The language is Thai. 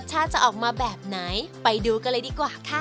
จะออกมาแบบไหนไปดูกันเลยดีกว่าค่ะ